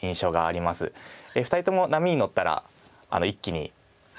２人とも波に乗ったら一気に。